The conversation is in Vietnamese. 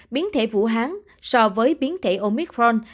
biến thể vũ hán so với biến thể omicron